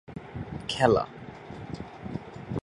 খেলা